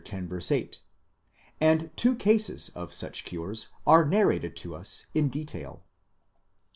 8), and two cases of such cures are nar rated to us in detail.